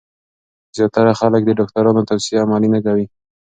زیاتره خلک د ډاکټرانو توصیه عملي نه کوي.